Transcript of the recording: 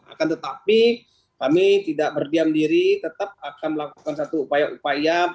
akan tetapi kami tidak berdiam diri tetap akan melakukan satu upaya upaya